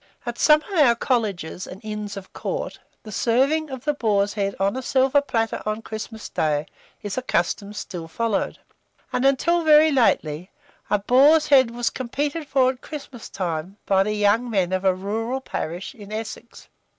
At some of our colleges and inns of court, the serving of the boar's head on a silver platter on Christmas day is a custom still followed; and till very lately, a bore's head was competed for at Christmas time by the young men of a rural parish in Essex.